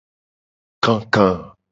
Kaka.